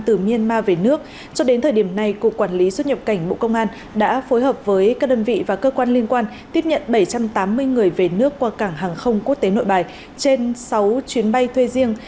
từ myanmar về nước cho đến thời điểm này cục quản lý xuất nhập cảnh bộ công an đã phối hợp với các đơn vị và cơ quan liên quan tiếp nhận bảy trăm tám mươi người về nước qua cảng hàng không quốc tế nội bài trên sáu chuyến bay thuê riêng